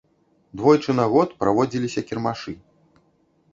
Двойчы на год праводзіліся кірмашы.